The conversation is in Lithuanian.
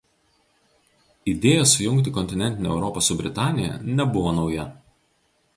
Idėja sujungti kontinentinę Europą su Britanija nebuvo nauja.